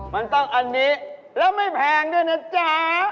มันต้องอันนี้แล้วไม่แพงด้วยนะจ๊ะ